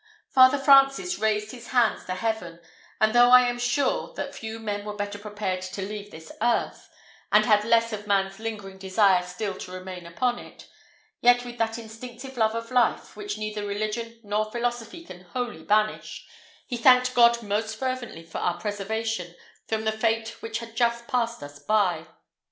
Father Francis raised his hands to heaven; and though I am sure that few men were better prepared to leave this earth, and had less of man's lingering desire still to remain upon it, yet with that instinctive love of life, which neither religion nor philosophy can wholly banish, he thanked God most fervently for our preservation from the fate which had just passed us by.